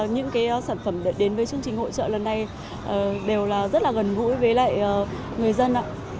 những cái sản phẩm đến với chương trình hội trợ lần này đều là rất là gần gũi với lại người dân ạ